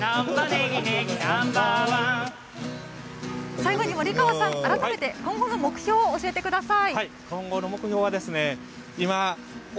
最後に森川さん改めて今後の目標を教えてください。